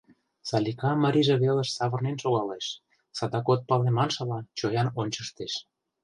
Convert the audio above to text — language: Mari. — Салика марийже велыш савырнен шогалеш, садак от пале маншыла, чоян ончыштеш.